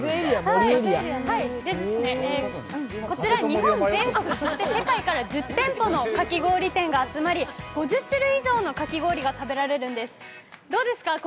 こちら日本全国、そして世界から１０店舗のかき氷店が集まり、５０種類以上のかき氷が食べられるんです。